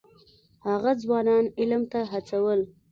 هغه ځوانان علم ته هڅول.